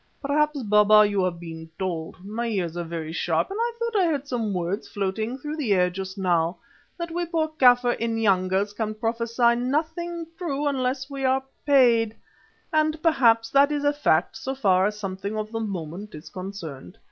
"Perhaps, Baba, you have been told my ears are very sharp, and I thought I heard some such words floating through the air just now that we poor Kaffir Inyangas can prophesy nothing true unless we are paid, and perhaps that is a fact so far as something of the moment is concerned.